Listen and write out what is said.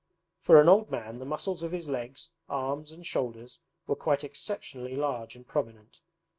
For an old man, the muscles of his legs, arms, and shoulders were quite exceptionally large and prominent.